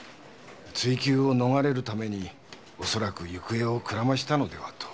追及を逃れるためにおそらく行方をくらましたのではと。